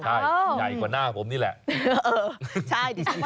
ใช่ใหญ่กว่าหน้าผมนี่แหละ